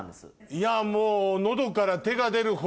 いやもう。